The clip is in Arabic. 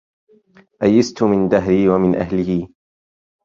أيست من دهري ومن أهله